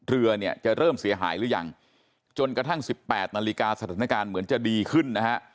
เรือเนี่ยจะเริ่มเสียหายหรือยังจนกระทั่งสิบแปดนาฬิกาสถานการณ์เหมือนจะดีขึ้นนะฮะ